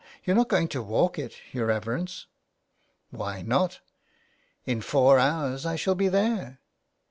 " You're not going to walk it, your reverence ?"" Why not ? In four hours I shall be there."